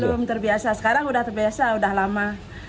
belum terbiasa sekarang sudah terbiasa udah lama